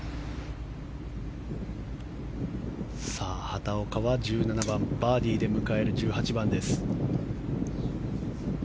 畑岡は１７番、バーディーで迎える１８番です。